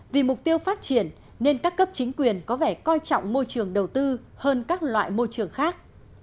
vì mục tiêu phát triển nên các cấp chính quyền có vẻ coi trọng môi trường đầu tư hơn các loại môi trường khác